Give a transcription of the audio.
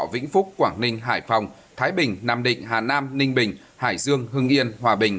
vĩnh phúc quảng ninh hải phòng thái bình nam định hà nam ninh bình hải dương hưng yên hòa bình